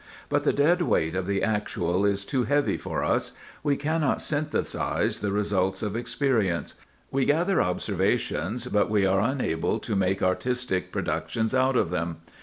But the dead weight of the actual is too heavy for us; we cannot synthesize the results of experience; we gather observations, but we are unable to make artistic productions out of them.